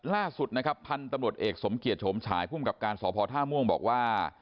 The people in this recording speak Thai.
ล่าสุดนะครับพันธุ์ตำรวจเอกสมเกียจโฉมฉายภูมิกับการสพท่าม่วงบอกว่า